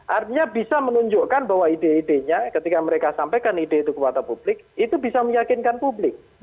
artinya bisa menunjukkan bahwa ide idenya ketika mereka sampaikan ide itu kepada publik itu bisa meyakinkan publik